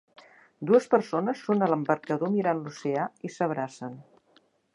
Dues persones són a l'embarcador mirant l'oceà i s'abracen